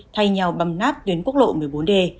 thay nhau bầm nát tuyến quốc lộ một mươi bốn d